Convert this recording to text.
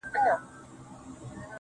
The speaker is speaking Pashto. خدايه هغه لونگ چي لا په ذهن کي دی